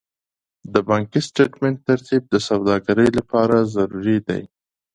د بانکي سټېټمنټ ترتیب د سوداګرۍ لپاره ضروري دی.